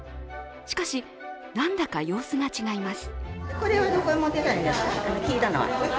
しかし、なんだか様子が違います。